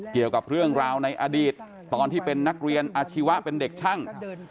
เกี่ยวกับเรื่องราวในอดีตตอนที่เป็นนักเรียนอาชีวะเป็นเด็กช่าง